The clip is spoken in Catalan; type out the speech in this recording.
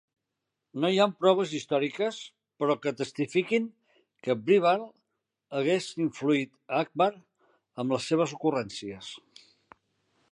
No hi ha proves històriques, però, que testifiquin que Birbal hagés influït Akbar amb les seves ocurrències.